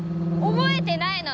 覚えてないの？